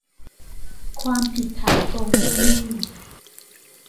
ความผิดฐานโกงเจ้าหนี้